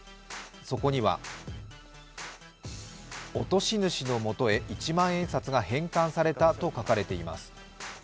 そこには落とし主の元へ一万円札が返還されたと書かれています。